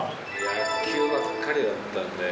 野球ばっかりだったんで。